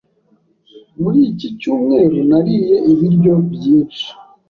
Muri iki cyumweru nariye ibiryo byinshi.